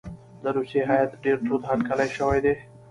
د روسیې هیات ډېر تود هرکلی شوی دی.